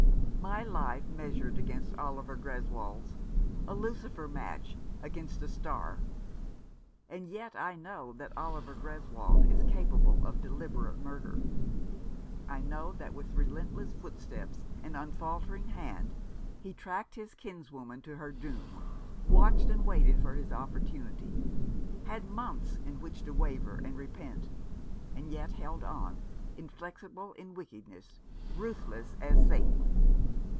My life measured against Oliver Greswold's ? A lucifer match against a star. And yet I know that Oliver Greswold is capable of deliberate murder. I know that with relentless footsteps and unfaltering hand he tracked his kinswoman to her doom, watched and waited for his opportunity, had months in which to waver and repent, and yet held on, inflexible in wickedness, ruthless as Satan."